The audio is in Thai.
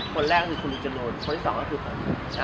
คนแรกคือคุณลูกจนโลกคนที่สองคือคุณ